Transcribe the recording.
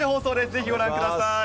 ぜひご覧ください。